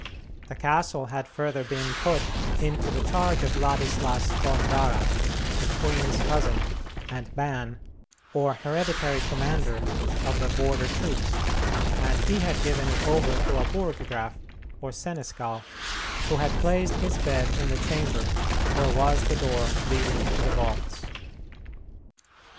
The castle had further been put into the charge of Ladislas von Gara, the queen's cousin, and Ban, or hereditary commander, of the border troops, and he had given it over to a Burggraf, or seneschal, who had placed his bed in the chamber where was the door leading to the vaults.